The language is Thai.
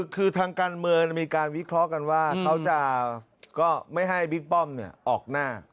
คือทางการเมืองมีการวิเคราะห์กันว่าเขาจะก็ไม่ให้บิ๊กป้อมออกหน้า